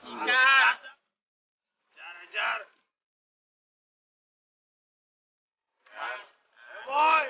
bengkak mereka lelaki